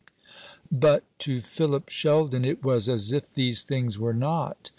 But to Philip Sheldon it was as if these things were not.